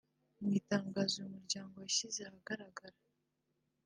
Mu itangazo uyu muryango washyize ahagaragara